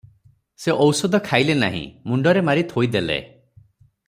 ସେ ଔଷଧ ଖାଇଲେ ନାହିଁ, ମୁଣ୍ତରେ ମାରି ଥୋଇଦେଲେ ।"